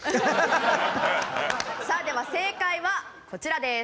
さあでは正解はこちらです。